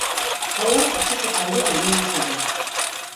Golak etxeko taldea animatu du.